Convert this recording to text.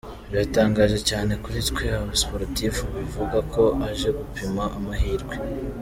Biratangaje cyane kuri twe abasportif bivuga ko aje gupima amahirwe!!